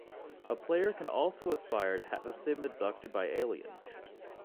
A player can also aspire to have a Sim abducted by aliens.